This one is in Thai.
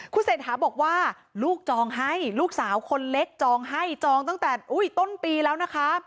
คุณเศรษฐาบอกว่าลูกจองให้ลูกสาวคนเล็กจองให้จองตั้งแต่ต้นปีแล้วนะคะ